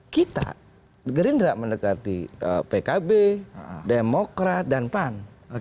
kita gerindra mendekati pkb demokrat dan pan